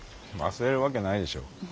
忘れるわけないでしょ。